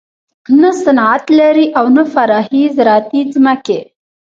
نه صنعت لري او نه پراخې زراعتي ځمکې.